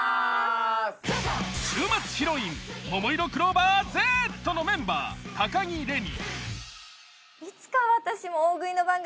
週末ヒロインももいろクローバーＺのメンバー高城れに。